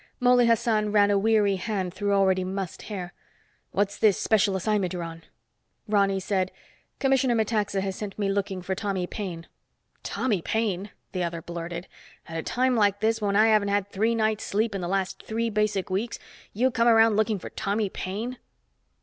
Mouley Hassan ran a weary hand through already mussed hair. "What's this special assignment you're on?" Ronny said, "Commissioner Metaxa has sent me looking for Tommy Paine." "Tommy Paine!" the other blurted. "At a time like this, when I haven't had three nights' sleep in the last three basic weeks, you come around looking for Tommy Paine?"